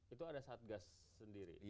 itu ada satgas sendiri